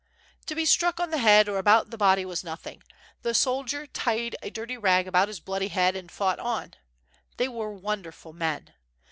To be struck on the head or about the body was nothing; the soldier tied a dirty rag about his bloody head and fought on. They were wonderful men.